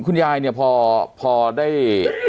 คุณยายเนี่ยพอได้